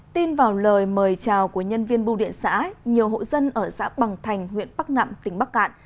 tin vào lời mời chào của nhân viên bưu điện xã nhiều hộ dân ở xã bằng thành huyện bắc nẵm tỉnh bắc cạn